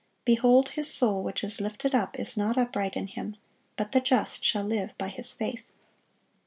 Behold, his soul which is lifted up is not upright in him: but the just shall live by his faith."